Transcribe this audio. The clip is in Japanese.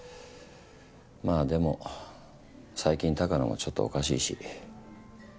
まあでも最近鷹野もちょっとおかしいし。